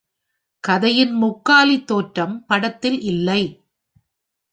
கதையின் முக்காலி தோற்றம் படத்தில் இல்லை.